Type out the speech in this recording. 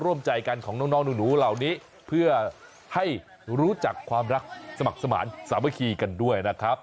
ร่วมใจกันของน้องหนูเหล่านี้เพื่อให้รู้จักความรักสมัครสมาธิสามัคคีกันด้วยนะครับ